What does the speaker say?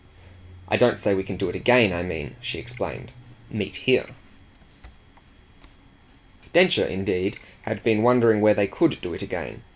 "I don't say we can do it again. I mean," she explained, "meet here." Densher indeed had been wondering where they could do it again.